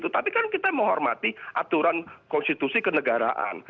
tapi kan kita menghormati aturan konstitusi kenegaraan